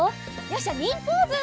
よっしゃニンポーズ！